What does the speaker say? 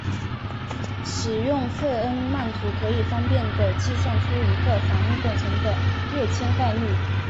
使用费恩曼图可以方便地计算出一个反应过程的跃迁概率。